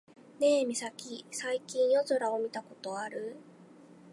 ねえミサキ、最近夜空を見たことある？